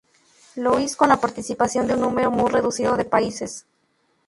Louis con la participación de un número muy reducido de países.